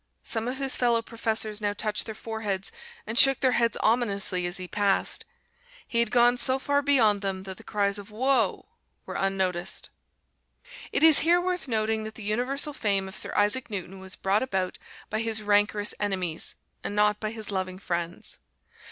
Some of his fellow professors now touched their foreheads and shook their heads ominously as he passed. He had gone so far beyond them that the cries of "whoa!" were unnoticed. It is here worth noting that the universal fame of Sir Isaac Newton was brought about by his rancorous enemies, and not by his loving friends.